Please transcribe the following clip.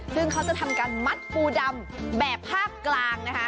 ซึ่งเขาจะทำการมัดปูดำแบบภาคกลางนะคะ